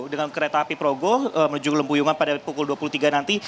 dengan kereta api progo menuju lembuyungan pada pukul dua puluh tiga nanti